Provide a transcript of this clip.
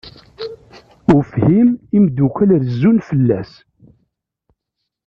Ufhim, imeddukal rezzun fell-as.